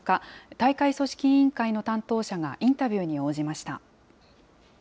大会組織委員会の担当者がインタビューに応じました。